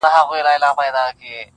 • له کارونو یې وه ستړي اندامونه -